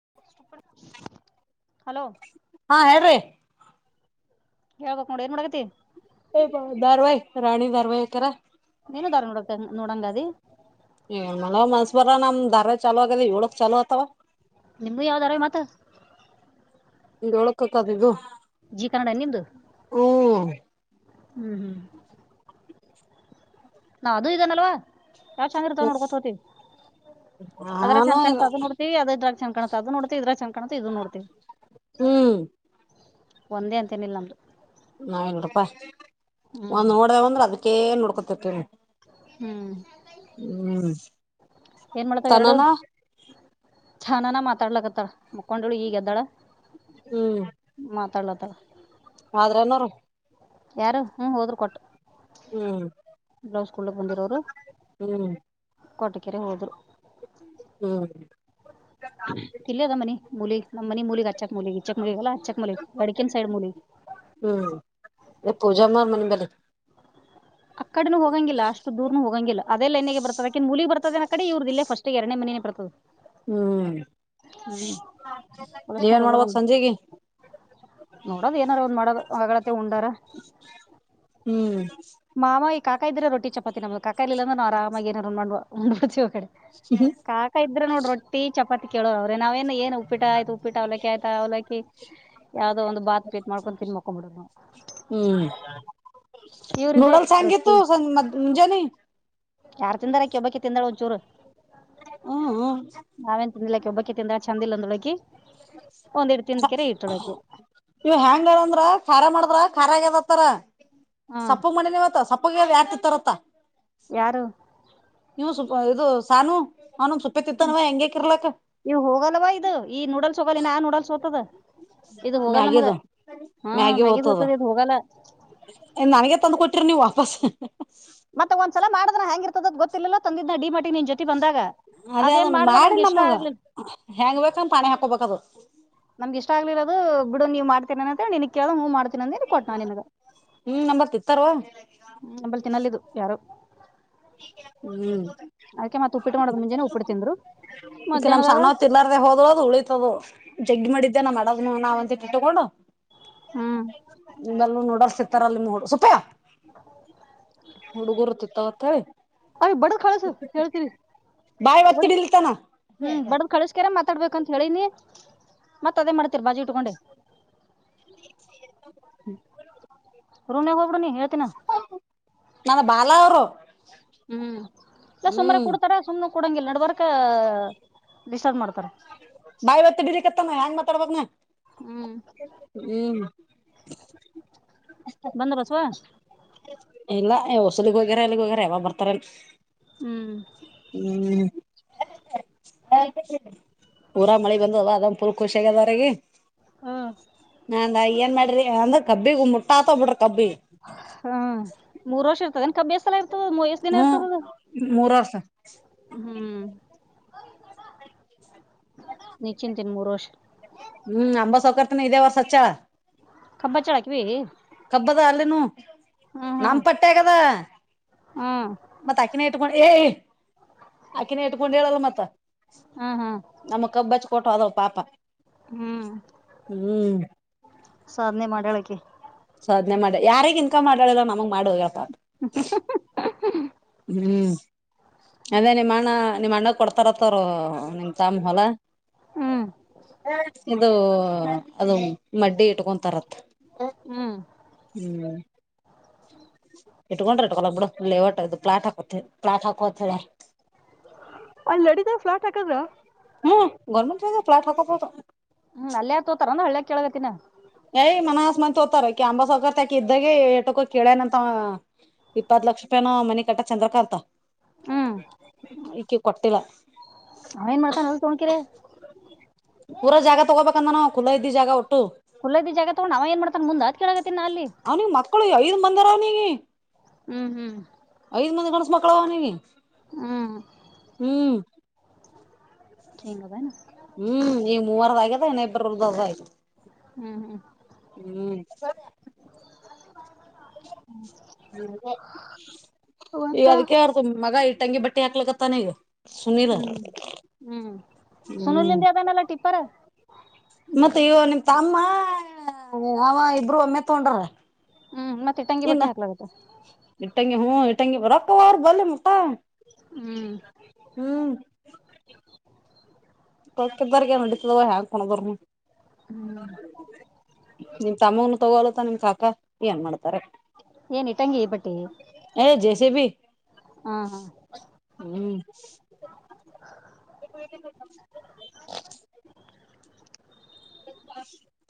[unintelligible] Hello ಹಾ ಹೇಳ್ರಿ ಹೇಳ್ಬಕ್ ನೋಡ ಏನ್ ಮಾಡಡಗತಿ ದಾರವಾಹ ರಾಣಿ ದಾರವಾಾಯಕರ ನೀನು ಧರ ನೋಡತ ನೋಡಂಗ ಅದ ಏ ಮನವ ಮನ್ಸ್ ಬರ್ರ ನಮ್ ದಧಾರ ಚಲುೂ ಆಗದ ಇಡಕ್ ಚಾಲು ಆತವ ನಿಮ್ದ ಯಾವ್ದಾರ ಮತ ಇೊಳ ಹತದ ಇದು ಜಿ ಕನ್ನಡ ನಿಮ್ದು ಹ್ಮ್ ಹ್ಮ್ ಹ್ಮ್ ನಾ ಅದೂ ಇದನಲ್ವಾ ಯಾವ್ ಚೆಂದ ಇರ್ತಾವ ನೋಡ್ಕೋತ ಹೋತಿವಿ ಅದ್ರ ನಾನು ಸಣ್ಣ ಕಾಣ್ತ ಇಲ್ಲ ಅದ ನೋಡ್ತಿವಿ ಅದ ಇದ್ರಾಗ ಸಣ್ ಕಾಣ್ತ ಅದು ನೋಡ್ತತಿ ಇದ್ರಾ ಚಕಣಂತ ಇದದು ನೋಡ್ತಿವಿ ಹ್ಮ್ ಒಂದೇ ಅಂತೇನಿಲ್ಲ ನಮ್ದು ನಾವೇ ನೋಡಪಾ ಹ್ಮ್ ಒಂದ್ ನೋಡ್ದೇ ಅಂದ್ರ ಅದಕ್ಕೇ ನೋಡ್ಕೊತಿ ಹ್ಮ್ ಹ್ಮ ತನ್ನಾನ ಚನನ ಮಾತಾಡ್ಲಕತ್ತಳ ಮುಕೊಂಡಳು ಈಗ ಎದ್ದಾಳ ಮಾತಾಡ್ಲತ್ತ ತ್ತ ಆದ್ರೆನೋರು ಯಾರು ಹ್ಮ ಹೋದ್ರರು ಕೊಟ್ಟ ಹ್ಮ್ ಬ್ಲೌಸ್ಕೂಲ್ಕ್ ಬಂದಿರೋರು ಹ್ಮ್ ಕಟ ಕೆರೆ ಹೋದರು ಹ್ಮ್ ತಿಲ್ ಅದ ಮನಿ ಮೂಲಗ್ ಮನಿ ಮೂಲಗ್ ಅಚ್ಚಕ್ ಮೂಲಗ್ ಈಚ್ಚಕ್ ಮುಲಗಲ್ಲ ಅಚ್ಚಕ್ ಮುಲಿಗ್ ಅಡಕನ್ ಸೈಡ್ ಮೂಲಗ್ ಹ್ಮ್ ಪೂಜಾ ಮಾಡ ಮನ ಬೇಲೆ ಕಡೂ ಹೋಗಂಗಿಲ್ಲ ಅಷ್ಟು ದೂರ್ನುೂ ಹೋಗಂಗಿಲ್ಲ ಅದೇೈನ್ಗೆ ಬರ್ತದಕ ಮುಲಿ ಬರ್ತದ ಕಡೆ ಇವ್ರದ ಇಿಲ್ಲ ಸ್ಟ್ ಎರನೇ ಮೇನೆ ಬರ್ತದೆ ಹ್ಮ್ ನೀವೇನ್ ಮಾಡ್ಬೋಕ್ ಸಂಜೆಗೆ ನೋಡದು ಏನಾರ ಒಂದ್ ಮಾಡ ಹೊಗಳತ್ತ ಉಂಡಾರ ಹ್ಮ್ ಮಾ ಈ ಕಾಕಾ ಇದ್ರೆ ರೋಿಪಾತಿ ನಮ್ದ ಕಾ ಇಲ್ಲಂದ್ರ ನಾ ಆರಾಮಾಗಿ ಏಾರ ಮಾಡ್ಡ್ಸಿವ್ ಕಡೆ ಸುಹ ಕಾಕಾ ಇದ್ರ ನೋಡಿ ರೊಟ್ಟಿ ಚಪಾತಿ ಕೇಳೋವ ಅವ್ರೆ ನಾವೇಏನ್ ಉಪ್ಪಿಟ್ಟ ಆಯ್ತು ಉಪ್ಪಿಟ ಅವ್ಲಕ್ಕಿ ಆಯ್ತಾ ಅವ್ಲಕ್ಕಿ ಯಾವ್ದೋ ಒಂದಂದು ಬಾತ್ ಪೀಟ್ ಮಾಡ್ಕೊಂಡು ತಿನ್ ಮಕೊಬಿಡ ನೂಡಲ್ ಸಗು ಸಂ ಮುಜೆ ನೀ ಯಾರು ತಿಂದಾರಕಬ್ಬಕ್ಕೆ ತಿಂದಾರ ಒಂಚೂರು ಹ್ಮ್ ಹ್ಮ್ ನಾವೇನ್ ತಿಿಂದಿಲ್ಲಕ್ಕೆ ಒಬ್ಬಕ್ಕೆ ತಿಂದ ಚೆಂದಿಲ್ಲಂದೊಳಗಿ ನೀವು ಹೆ್ಯಾಂಗಾರಂದ್ರ ಖಾರ ಮಾಡಿದ್ರ ಖಾರಾಗದತ್ತಾರ ಹ್ಮ್ ಸಪ್ಪು ಮಣಿನವತ್ತ ಸಪ್ಪಗ ಆತಿತ್ತಾರತ್ತ ಯಾರು ಇದು ಸಾನು ಅವನ ಸುಪ್ಪೆ ಹ್ಮ್ ತಿತ್ತಾನವ ಹೆಂಗಗೆಕಿರ್ಲಕ್ಕ ಇವ ಹೋಗಲ್ಲವಾ ಇದು ಈ ನೂಡಲ್ಸ್ ಹೋಗಲ್ಲಿನ ಆ ನೂಡಲ್ಸ್ ಓತದ ಇದು ಹೋಗಲ್ಲ ನಮ್ಗ ಮ್ಯಾಗಿದು ಹಾ ಮ್ಯಾಗಿ ಮ್ಯಗಿದ ಹೋತದ ಹತದೆ ಇದು ಹೋಗಲ್ಲ ನನಗೆ ತಂದು್ ಕೊಟ್ಟಿರಿ ನೀವು್ ವಾಪಸ್ ಮತ್ತೆ ಒಂದ್ಲ ಮಾಡ್ರ ಹ್ಯಾಂಗ ಇರ್ತದ ಗೊತ್ತಿಲ್ಲಲ್ಲ ತಂದಿದ್ದನ ಡಿ ಮಟಿ ನಿನ್ ಜೊತಿ ಬಂದ ಅದೇ ಅದನ್ ಮಾಡಿ ನಮಗ ಹೆಂಗ್ ಬೇಕಂದ ಪಾನಿ ಹಾಕೊಬೇಕದು ನಮ್ಗೆ ಇಷ್ಟ ಆಗ್ಲಿರೋದು ಬಿಡ ನೀವ ಮಾಡ್ತೀನ ಅಂತನ್ ಕೇಳ್ವ ಮಾಡ್ ತಿನ್ನ ಕೊಟ್ ನಿನಗಂಬಳ ಹ್ಮ್ ನಂಬರ್ ತಿತ್ತಾರವ ತಿನ್ನಲ್ಲಿದ್ದು ಯಾರು ಹ್ಮ್ ಅದಕ್ಕೆ ಮತ್ತ ಉಪ್ಪಿಟ್ಟ ಮಾಡದ ಮುಂಜೆಾನ ಉಪ್ಪಿಟ್ಟ ತಿಂದ್ರು ಈಕ ನಮ್ ಮಧ್ಯಾಹ್ನದಾಗ ಸಾನವತ್ ಇಲ್ಲಾರ್ರ ಹೋದಳೋದು ಉಳಿತತದು ಜಗ್ಗಿ ಮಾಡಿದ ಇದನ ಮಾಡೋದ್ ನಾವ ಅಂತ ತಗೊಂಡು ಹ್ಮ್ ನಿಲ್ಲ ನೋಡರ್ ತರಲ್ಲಿ ನಿ ಸೊಪ್ಪಾ ಹುಡುಗುರುತ್ತ ತ ತ ಅದ ಬಡದ ಕಳಸ ಹೇಳ್ತೀರಿ ಬಾಯ್ ಬಡ ಒತ್ತಿಡಿಲ್ತಾನ ಹ್ಮ್ ಬಡ್ದ್ ಕಳಸ್ಕಾರ ಮಾತಾಡ್ಬೇಕಂತ ಹೇಳಿನಿ ಮತ್ತ ಅದೇ ಮಾಡ್ತೀರ್ ಬಾಜಿ ಉಟ್ಕೊಂಡೆ ಹ್ಮ ರುನಿಗ್ ಹೋಗಬಡ ನೀ ಹೇಳ್ತೀನ ನನ್ನ ಬಾಲಾ ಅವ್ರು ಹ್ಮ್ ಎ ಸುಮ್ರ ಹ್ಮ್ ಕುಡ್ತಾರ ಸುಮ್ನೆ ಕುೂಡಂಗ ಇಲ್ ನಡವರ್ಕ ಡಿಸ್ಟರ್ಬ್ ಮಾಡ್ತಾರ ಬಾಯಿ ಬತ್ತ ಬಿಡಿ ಕತ್ತನ ಹೆಂಗ್ ಮಾತಾಡಬಾಗನ ಹ್ಮ್ ಹ್ಮ್ ಬಂದೋಬಸ್ವಾ ಇಲ್ಲ ಹೊಸಲಗ್ ಹೋಗ್ಯಾರ ಎಲ್ಲಿಗ್ ಹೋಗ್ಯಾರ ಯಾವಾಗ ಬರ್ತಾರ ಹ್ಮ್ ಹ್ಮ್ ಪೂರಾ ಮಳೆ ಬಂದದ ಅದ್ ಪೂರ್ ಖುಷಿ ಆಗ್ಯದವರಗ ಹಾ ನಂಗ ಏನ್ ಮಾಡ ಅಂತ ಕಬ್ಬಿಗೆ ಮುಟ್ಟಾತ ಬಿಡ ಹಾ ಮೂರ್ ವರ್ಷ ಇರ್ತದೆ ನನ್ ಕಬ್ಬ್ಯಾಸ ಎ ಮಯಷ್ಟ ದಿನತ ಹ್ಮ್ ಮೂರ್ ವರ್ಷ ಹ್ಮ್ ನಿಚಿಂತಿನ ಮೂರು ವೋಷ ಹ್ಮ್ ಅಂಬ ಸೌಕರ್ತನ ಇದೇ ವರ್ಸ ಅಚ್ಚ ಬ್ಬಾ ಚಳಕ್ಕೆ ವೇ ಹ ಹಬ್ಬದ ಅಲ್ಲಿನುೂ ನಮ್ಮ ಹ್ಮ್ ಪಟ್ಟೆಗದ ಹ್ಮ್ ಕೊಂಡ ಏಯ ಆಕಿನ ಇಟ್ಕೊಂಡ್ ಹೇಳಲ್ಲ ಮತ್ತ ಹ್ಮ್ ಹ್ಮ್ ನಮ್ಮ ಕಬ್ ಬ ಫೋಟೋ ಅದ ಪಾಪ ಹ್ಮ್ ಹ್ಮ್ ಸಾಧನೆ ಮಾಡ್ಯಾಳಕ್ಕೆ ಸಾಧನೆ ಮಾಡಿ ಯಾರಿಾರಗ್ ಇನ್ಕಮ್ ಮಾಡಳಲ್ಲ ನಮ್ ಮಾಡ ಹೋಗಪ್ಪಾ [inaudible] ಹ್ಮ್ ಅದೇ ನಿಮ್ಮ್ ಅಣ್ಣ ನಿಮ್ಮ ಅಣ್ಣ ಕೊಡ್ತಾರತ್ತವರು ನಿಮ್ ತಾಮ ಹೊಲ ಹ್ಮ್ ಇದು ಅದು ಮಡ್ಡಿ ಇಟ್ಕೊತರತ್ ಹ್ಮ್ ಹ್ಮ್ ಇಟ್ಕೊಂಡ್ರಟ್ ಬಿಡ ಲೇಔಟ್ದು ಪ್ಲಾಟ್ ಹಾಕ ಪ್ಲಾಟ್ ಹಾಕೋ ಅಲ್ಲಿ ನಡಿತ ಫ್ಲಾಟ್ ಹಾಕದ್ರ ಹ್ಮ ಗಮ ಪ್ರಾ ಕ ಹ್ಮ್ ಅಲ್ಲೇ ಆ ತೋತಾರ ಅಂದ ಹಳ್ಳ ಕೇಳಳಗತಿನ ಯ್ ಮನಸ್ ಮತ್ ತೋತಾರ ಕ ಅಂಬ ಸೌಕರ್ ತಾಕ ಇದ್ದಾಗ ಏಟಕ ಕೇಳನಂತ ಇಪ್ಪತ್ ಲಕ್ಷ ರೂಪಾಯನ ಮನಿ ಕಟ್ಟ ಚಂದ್ರ ಕತ ಹ್ಮ್ ಈ ಕೊಟ್ಟಿಲ್ಲ ಅವ ಏನ್ ಮಾಡ್ತಾನ ಅಲ್ ತೊಣಕಿರಿ ಪೂರಾ ಜಾಗ ತಗೋಬೇಕಂದ ನಾವು ಖುಲಾ ಇದ್ದೀ ಜಾಗ ಒಟ್ಟು ಕುುದ ಜಾಗ ತಗ ನಾ ಏನ್ ಮಾಡತಾರೆ ಮುಂದ ಅ ಕೇಳ ಅವನಿಗೆ ಮಕ್ಕಳು ಐದ್ ಮಂದರ ಅವನಿಗೆ ಹ್ಮ್ ಹ್ಮ್ ಐದ್ ಮಂದಿ ಗನ್ಸ ಮಕ್ಕಳ ಅವನಿಗೆ ಹ್ಮ್ ಹ್ಮ್ ಹಿಂಗದೇನ ಹ್ಮ್ ಈ ಮೂವರದ ಆಗ್ಯದ ಇನಿಬ್ರರ್ದ್ದದ ಆಯ್ತು ಹ್ಮ್ ಹ್ಮ್ ಹ್ಮ್ ಹ್ಮ್ ಈಗ ಮತ್ತ ಅದಕ್ಕೆರ್ತು ಮಗ ಇ ತಂಗಿ ಬಟ್ಟೆ ಹಾಕ್ಲಕ್ಕತ್ತಾನ ಇಗ ಹ್ಮ್ ಹ್ಮ್ ಸುನೂಲಿಂದ ಅದನಲ್ಲ ಟಿಪ್ಪರ್ ಮತ್ತೆ ಇವ ನಿಮ್ ತಮ್ಮ ಯ ಇಬ್ರು ಒಮ್ಮೆ ತಗೊಂಡ್ರ ಹ್ಮ್ ಮತ್ತ ಇಟ್ಟಂಗಿ ಇಲ್ಲ ಬಟ್ಟಿ ಹಾಕ್ಲಾಗತ್ತ ಇಟ್ಟಂಗ ಹ್ಞ ತಂಗ ರಕ್ಕ ಅವ ಬ ಮಕ್ಕಾ ಹ್ಮ್ ಹ್ಮ್ ತಕಾರಗ ನಡಿತತದವ ಹ ಹೆಂಗ್ ಕೊದರ್ನು ಹ್ಮ್ ನಿಮ್ ತಮ್ಮನು ತಗೊಲತ್ತ ನಿಮ ಕಾಕಾ ಏನ್ ಮಾಡ್ತ ರ ಏನ್ ಇಟ್ಟಂಗಿ ಬಟ್ಟಿ ಜೈಸ ಭ ಹಾ ಹಾ ಹ್ಮ್ [unintelligible]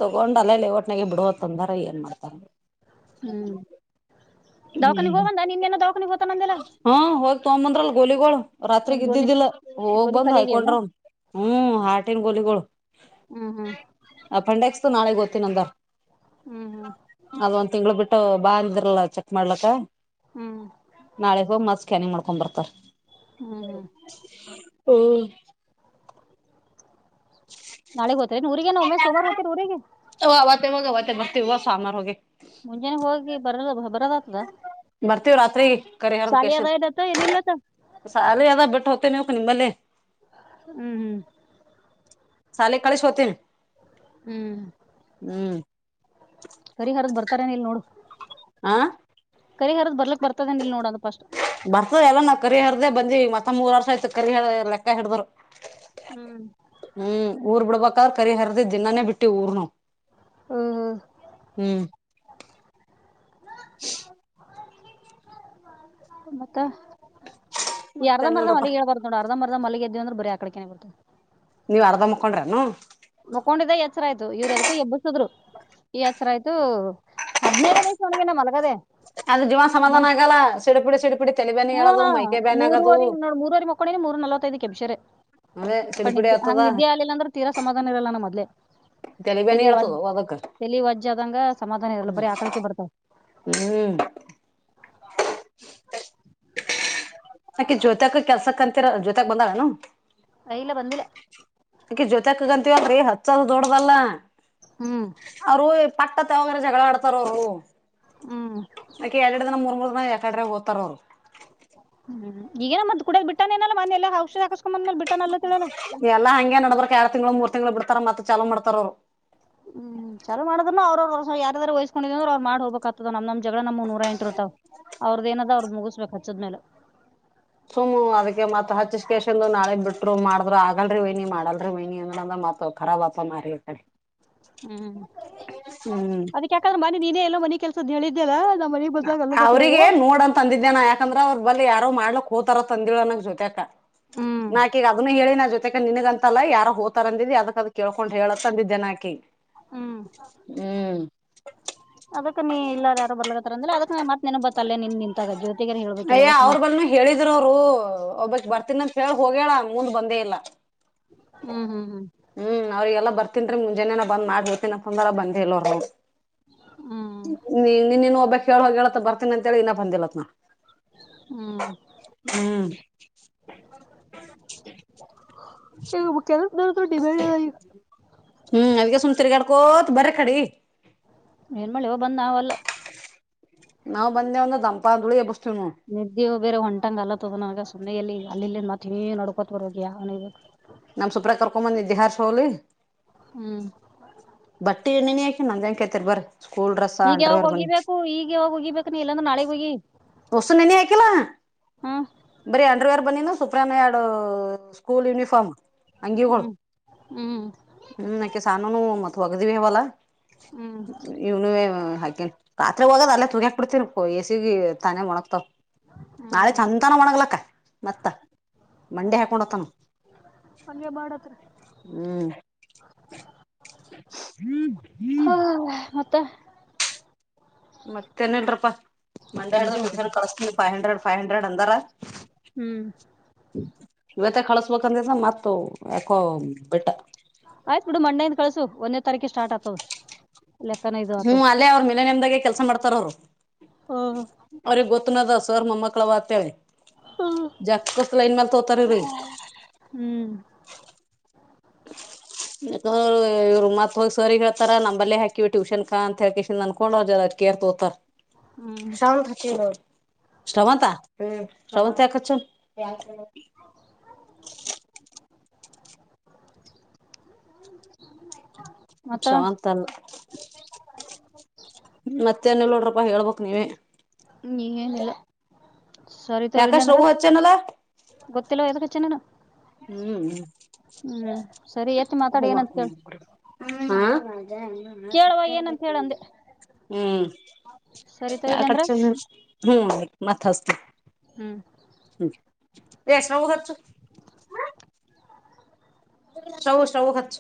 ತಗೊಂಡ್ ಅಲ್ಲೇಲ್ಲಿ ಒಟ್ನಾಗ ಬಿಡುವ ತೊಂದ್ರ ಏನ್ ಮಾಡ್ತಾರ ಹ್ಮ್ ದೌಖಾನಿ ಹ್ಮ್ ಹೋಗಬಂದ ನಿನ್ನೆನ ದಖಾನಿ ಹತ ನಂದೆಲ್ಲ ತೊಂಬಂದ್ರಲ್ ಗೋಲಿಗೋ ರಾತ್ರಿಗೆ ಇದ್ದಿದ್ದಿಲ್ಲ ಹೋಗ್ ಗೋಲಿ ಬಂದ್ ಖಾಲಿ ಆಗ್ಯಾವೇನ ಹಯ್ಕೊಂಡ್ರ ಹ್ಮ ಹಾರಟಿಂಗ ಗೋಲಿಗೋಳ ಹ್ಮ್ ಹ್ಮ್ ನಾಳೆ ಓ್ತನ ಅಂದ ಹ್ಮ್ ಹ್ಮ್ ಅದ ಒಂದ್ ತಿಂಗ್ಳ ಬಿಟ್ಟು ಬಾ ಅಂದರಲ್ಲ ಚ ಮಾಡ್ಲಕ್ಕ ಹ್ಮ್ ನಾಳೆಗ್ ಹೋಗಿ ಮತ್ ಸ್ಕ್ಯಾನಿಂಗ್ ಮಾಡ್ಕೊಂಡ್ ಬರ್ತಾರ ಹ್ಮ್ ಹ್ಮ್ ಓ ನಾಳೆಗ್ ಹೋತ್ರಿ ಊರಿಗೆ ನ ಒಮ್ಮೆ ಸೋಮಾರು ಹ್ ಊರಿಗೆ ಮ ಮವತ್ತೆ ಮತ್ತೆ ಇವ ಸಾಮಾರ್ ಹೋಗಗೆ ಮುಂಜಾನೆ ಹೋಗಿ ಬರಲ್ಲ ಬರದ ಆತ್ಲ ಬರ್ತೀವ ರಾತ್ರಿ ಕರಿ ಹಾರದ ಕೆೇಶದ್ ಇದತ್ತ ಏನಿಲ್ಲತ್ತ ಸಾಲ ಅದ ಬಿಟ್ಟು ಹೋಗ್ ನೆ ಹಕ ನಿ ಮಲ್ಲೆ ಹ್ಮ್ ಹ್ಮ್ ಶಾಲಿ ಕಳಸಿ ಹೋಗುತ್ತಿವಿ ಹ್ಮ್ ಕರಿ ಹರದ್ ಬರ್ತಾರನ ಇಲ್ ನೋಡು ಹ ಕರಿ ಹರದ್ ಬರ್ಲಕ್ಕ ಬರ್ತದನ ಇಲ್ ನೋಡೋದು ಪ ಬರ್ತದ ಎಲ್ಲ ನಾವ್ ಕರಿ ಹರ್ದೇ ಬಂದಿ ಮತ್ತತ್ ಮೂರ್ ವರ್ಷ ಆಯ್ತ್ ಕರಿ ಲೆಕ್ಕ ಹಡ್ರು ಹ್ಮ್ ಹ್ಮ್ ಊರ್ ಬಿಡ್ಬೇಕಾದ್ರ ಕರಿ ಹರ್ದಿ ದಿನಾನೇ ಬಿಟ್ಟು ಊರ್ನು ಹ್ಮ್ ಹ್ಮ್ ಹ ಮತ್ತ ಯರ್ದ ಮರದ ಮತ್ತೇನಿಲ್ರಪ್ಪಾ ಮಲ್ಲಿಗೆ ಹೇಳ್ಬಾರ್ದ ನೋ ಅರ್ಧ ಮರ್ದ ಮಲ್ಲಿಗೆ [unintelligible] ನೀವ್ ಅರ್ಧ ಮಕೊಂಡ್ರನು ಮುಕೊಂಡಿದ್ದ ಎಚ್ಚರ ಆಯ್ತು ಇವ್ರ ಎದಕ ಎಬ್ಬಸದ್ರು ಈ ಎಚ್ಚರ ಆಯ್ತು ಹದನೈದನೇ ಅದು ಜೀವನ ಸಮಾಧಾನ ಆಗಲ್ಲ ಸಿಡುಪುಡಿ ಸಿಡುಪುಡಿ ಹಾ ಮೂರವರೆ ನೋ ಮೂರ್ವರೆರಿ ಮಕ್ಕೊಂಡನಿ ಮೂರ್ ನಲವತ್ತೈದಕ್ಕೆ ಎಬಷರೆ ಅದೇ ಅ ಸಿಡಿಪಿಡಿ ನಿದ್ದೆ ಹಂಗ ಆಗ್ತದ ನಿದ್ದೆ ಆಗ್ಲಿಲ್ಲ ಅಂದ್ರೆ ತೀರಾ ಸಮಾಧಾನ ಇರಲ್ಲ ನಮ್ಮ ಮದ್ಲೆ ತಲಿಬ್ಯಾನಿ ತಿಲಿವಜ ಹೇಳ್ತದ ಅದಕ್ಕ ತಲಿವಜದಂಗ ಸಮಾಧಾನ ಇರಲ್ಲ ಬರೆ ಆಕಳಿಕೆ ಬರ್ತಾವ ಹ್ಮ್ ಅಾಕೆ ಜ್ಯೋತಕ್ ಕೆಲ್ಸ ಕ ಅಂತಿರ ಜ್ಯೋತಕ್ ಬಂದಳನು ಆ, ಇಲ್ಲ ಬಂದಿಲ್ಲ ಅಕಿ ಜೋತಿ ಅಕ್ಕಂಗ ಅಂತ ಹೇಳಿ ಹತ್ತು ಸಾವಿರ ದೊಡ್ಡ್ದಲ್ಲ ಹ್ಮ್ ಅವರು ಪಟ್ಟ ತಾವಾಗರ ಜಗಳ ಆಡ್ತಾರ ಅವರು ಹ್ಮ್ ಅಕೆ ಎರರಡು ದಿನ ಮೂರ್ ಮೂರ್ ದಿನ ಯಕಡ್ರ ಓದತಾರ ಅವರು ಹ್ಮ್ ಈಗನ ಮ್ ಕೂಡ ಬಿಟ್ಟಾನ ನಲ್ಲ ಮನೆೆಲ್ಲ ಔಷದಿ ಹಾಕ ಎಲ್ಲಾ ಹಂಗೆ ನಡ್ದರ್ಕ್ ಎರ ತಿಂಗಗಳು ಮೂರ್ ತಿಂಗ್ಗಳು ಬಿಡ್ತಾರ ಮತ್ತತ್ ಚಲ ಮಾಡ್ತಾರ ಅವ್ರ ಹ್ಮ್ ಚಲ ಮಾಡ್ರ್ ನ ಅವ್ರ ಅವ ಯಾರ ವಹಸ್ಕೊಂಡಿದ್ ಮಾಡ ಹೋಗಬೇಕಕ್ತದ ನಮ ಜಗಳ ನಮ್ ನೂರ ಎಂಟ ಇರ್ತಾವ ಅವ್ರದ ಏನದ ಅವ್ರದ ಮುಗಿಸ್ಬೇಕಕ್ ಹಚ್ಚದ್ಮೇಲೆ ಸುಮ್ ಅದಕ್ಕೆ ಮತ್ ಹಚ್ಕೇಶಂದು ನಾಳಗ್ ಬಿಟ್ರು ಮಾಡಿದ್ರು ಆಗಲ್ರಿ ವಹನಿ ಮಾಡಲ್ರಿ ವಹನಿ ಅಂದ್ರ ತ ರಬ ಆ ಮಾಡಾರಿ ಅ ಹ್ಮ್ ಹ್ಮ್ ಅದಕ್ಕೆ ಯಾಕಂದ್ರೆ ಮನೆ ನೀನೇ ಎಲ್ಲೋ ಮನಿ ಕೆಲ್ಸದ ಹೇಳಿದ್ದೇದ ಅವ್ರಿಗೆ ನೋಡಂತ ಅಂದಿದ್ದೇನ ಯಾಕಂದ್ರ ಅವ್ರರು ಬಳ ಯ ಮಾಡ್ಲಕ್ ಹೋತಾರ ತಂದಿಳೋನಕ್ ಜೊತೆ ಅ ಹ್ಮ್ ನಾಕ ಈಗ ಅದನ್ನ ಹೇಳಿ ನ ಜೊತೆ ಅ ನನ್ಗ ಅಂತಲ್ಲ ಯಾರ ಹೋತಾರ ಅಂದಿದ್ದಿ ಅದಕ್ಕದ ಕೇಕೊಂಡು್ ಹೇಳತ ಅಂದಿದ್ದೆನಾಾಕಿ ಹ್ಮ್ ಅದ ನೀ ಇಲ್ಲಾರ ಯಾರ ಬರ್ಲತ್ತ ಅಂದ್ರೆ ಅದಕ್ಕ ಮತ್ ನೆನ್ ಬತ್ತ ಅಲ್ಲೆನ್ ನಿಂತಾಗ ಜ್ಯೋತಿಗಾರ ಹೇಳ್ಬೇಕಿಲ್ಲಲ್ವಸ ರು ಒಬ್ಬಕ್ ಬರ್ತೀನಂತ ಹೇಳ ಹೋಗೇಳ ಮುಂದ ಬಂದೇ ಇಲ್ಲ ಹ್ಮ್ ಹ್ಮ್ ಹ್ಮ್ ಅಕನ್್ರ ಮುಂಜಾನೇ ನ ಬಂದ್ಬೇತತಿ ನಂದ್ರ ಬಂದೇಲ್ ಅವರು ಹ್ಮ್ ಹ್ಮ್ ನೀ ನೀನ್ನಿನು ಒಬ್ಬಕ್ ಹೇಳುವ ಹೇಳೇತ್ತ ಬರ್ತೀನ ಅಂತೇಳಿ ಇನ್ನ ಬಂದಿಲ್ಲತ್ ನಾ ಹ್ಮ್ ಹ್ಮ್ ಇ ಕೆಲ ಡಿಮೆ ಹ್ಮ್ ಅದ್ಗ ಸುಮ್ ತಿರ್ಗಾಡ್ಕೋತ್ ಬರ ಕಡಿ ಏನ್ ಮಾಡಳಿ ಬಂದ್ ನಲ್ಲ ನಾವವು ಬಂದೆ ಒಂದು ದಂಪಾದಳಿ ಎ ಬಸ್ ನಿದ್ದೆ ಬೇರೆ ಹೊಂಟಂಗ್ ಅಲತ್ತದ ನನಗೆ ಸುಮ್ಮನೆ ಎಲ್ಲಿ ಈಗ ಅಲ್ಲಿ ಇ ಮತ್ತತ್ ನಡ್ಕೋತ್ ಬರೋಗ ಅವ ನಮ್ ಸುಪ್ರ ಕರ್ಕೊಂಬಂದಿದ್ದಿ ಹಾರ್ ಶೌಲಿ ಹ್ಮ್ ಬಟ್ಟಿ ಎಣ್ಣಿ ಯಾಕ ನಂದಂಗಕಾಯಯತರ್ ಬರರಿ ಈಗ ಯಾವಾಗ ಹೋಗಿಬೇಕು ಈಗ ಯಾವಾಗ ಹೋಗಿಬೇಕು ನೀ ಇಲ್ಲಾಂದ ನಾಳೆಗ್ ಹೋಗಿ ಹೊಸನ್ ಎನ ಆಯಕಲ ಬರೀ ಅಂಡರ್ವೇರ್ ಬನ್ನಿನ ಸುಪ್ರಾನ ಎರಡು ಸ್ಕೂಲ್ ಯುನಿಫಾರ್ಮ್. ಹಂಗಿಗಗಳು ಹ್ಮ್ ಹ್ಮ್ ಹ್ಮ್ ಯಾಕೆ ಸಾನುನು ಮತ್ ಒಗ್ದಿವವಿ ಹವಲ್ಲಾ. ಹ್ಮ್ ಇವನೇ ಹಾಕಿ ರಾತ್ರಿ ಹೋಗದ ಅಲ್ಲೇ ತುಗಾಕ್ ಬಿಡ್ತೀನ ಎಸಿಗೆ ತಾನೆ ಮಣಕ್ತವ ನಾಳೆ ಚಂದ. ಒಣಗ್ಲಕ್ಕ ಮತ್ತ. ಮಂಡೆ ಆಯ್ತಾ ಹ್ಮ ಹಾಕೊಂಡತಾನ ಹಾಗಂಗೆ ಬಾಡತ್ರ. ಹ್ಮ್ ಹ್ಮ್. ಕುತ್ತ. ಮತ್ತೇನ್ ಇಲ್ರಪ್ಪಾ ಮಂಡ್ಯಾಡದ ನಿದ್ದೆ ಹೊಂಟದ ಟ್ಯೂಷನ್ ಕಳಸ್ತೀಿ ಫೈವ್ ಹಂಡ್ರೆಡ್ ಫೈವ್ ಹಂಡ್ರೆಡ್ ಅಂದಾರ ಹ್ಮ್ ಇವತ್ತ ಕಳಸ್ಬೇಕಂದ ಮತ್ತ ಯಾಕೋ ಬೆಟ್ಟ ಆಯ್ತ್ ಬಿಡು ಮಂಡೆಯಿಂದ ಕಳ್ಸು ಒಂದೇ ತಾರೀಕು ಸ್ಟಾರ್ಟ್ ಆಗ್ತದ ಹ್ಮ್ ಅಲ್ಲೇ ಅವರು ಮೇಲೆ ನೆಮದಾಗೆ ಕೆಲ್ಸ ಮಾಡ್ತಾರ ಅವರು ಹ್ಮ್ ಅವ್ರಿಗೆ ಗೊತ್ತನದ ಸರ್ ಮಮ್ಮ ಕಳ ವತಿ ಹ್ಮ್ ಜಾಗತ ಸಲೈನ್ ನ ತೋತಾರೆ ರ ಹ್ಮ್ ಇವ್ ಮತ್ ಹ್ ಸರ್ ಹಳ್ತಾರ ನಂಬಲ್ಲೇ ಹಾಕಿವವಿ ಟ್ಯೂಷನ್ ಕಾ ಅಂತ ಹೇಳಳ್ಕ ಅನ್ಕೊಂಡ್ ಅವ್ರ ಜ ತೋತಾರ ಹ್ಮ್ ಶ ಶ್ರವಂತ ಶ್ರವಂತ ಆಕಚನ್ ಮತ್ತ ಶ್ರವಂತ ಅಲ್ಲ ಮತ್ತೆನ ನೋಡ್ರಪ್ಪ ಹೇಳ್ಬ ನೀವ ಹ ಏನ್ಿಲ್ಲ ಸರಿತ ಯಾಕ ಇಡ್ಲಂದ್ರ ಶ್ರವು ಹಚ್ಚೇನಲ್ಲ ಗೊತ್ತಿಲ್ಲ ಯ ಹ್ಮ್ ಹ್ಮ್ ಸರಿ ಎತ್ತಿ ಮಾತಾಡಿ ಹ ಏನಂತ ಕೇಳ ಕೇಳವ ಸಟ್ಟ ಏನಂತ ಹೇಳ ಅಂದೆ ಹ್ಮ್ ಸರಿ ತಗೋ ಯಾಕ ಇಡ್ಲಿ ಅಂದ್ರ ಹ್ಮ್ ಮತ್ತಸ್ತ ಹ್ಮ್ ಎಷ್ಟನ ಹರ್ಚು ಸೌ ಸೌ ಹತ್ತು.